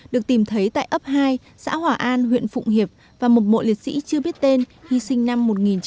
được tìm thấy tại ấp hai xã hỏa an huyện phụng hiệp và một mộ liệt sĩ chưa biết tên hy sinh năm một nghìn chín trăm bảy mươi